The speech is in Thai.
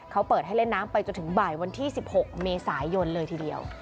เขาเปิดให้เล่นน้ำไปจนถึงบ่ายวันที่๑๖เมษายนเลยทีเดียว